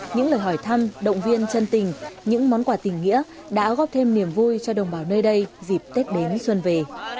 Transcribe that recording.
những lời hỏi thăm động viên chân tình những món quà tình nghĩa đã góp thêm niềm vui cho đồng bào nơi đây dịp tết đến xuân về